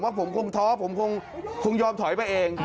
ผมคงท้อผมคงยอมถอยไปเอง